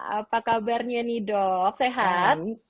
apa kabarnya nih dok sehat